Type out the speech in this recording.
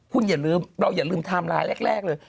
คุณอย่าลืมเราอย่าลืมไทม์ไลน์แรกเลย